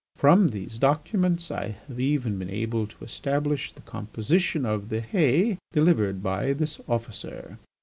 From these documents I have even been able to establish the composition of the hay delivered by this officer.